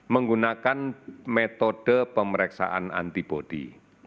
menggunakan metode pemeriksaan antibody